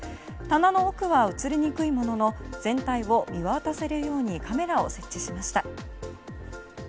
棚の奥は映りにくいものの全体を見渡せるようにカメラを設置しました。